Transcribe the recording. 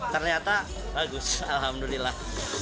ternyata bagus alhamdulillah